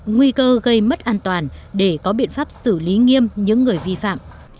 nguy cơ gây mất an toàn để có biện pháp xử lý nghiêm những người vi phạm